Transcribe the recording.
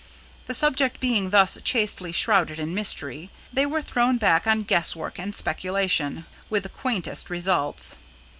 The subject being thus chastely shrouded in mystery, they were thrown back on guesswork and speculation with the quaintest results.